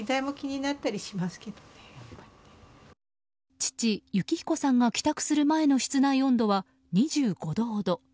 父・幸彦さんが帰宅する前の室内温度は２５度ほど。